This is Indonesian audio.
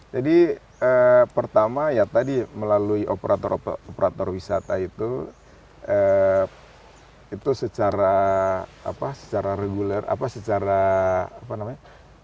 jadi pertama ya tadi melalui operator operator wisata itu itu secara apa secara reguler apa secara apa namanya